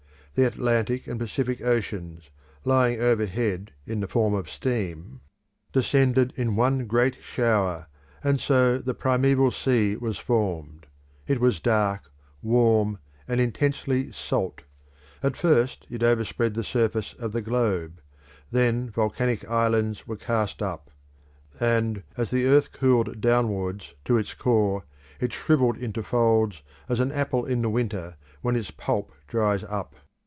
The Atlantic and Pacific Oceans, lying overhead in the form of steam, descended in one great shower, and so the primeval sea was formed. It was dark, warm, and intensely salt; at first it overspread the surface of the globe; then volcanic islands were cast up; and as the earth cooled downwards to its core, it shrivelled into folds as an apple in the winter when its pulp dries up.